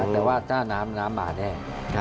แต่ว่าถ้าน้ำมาแน่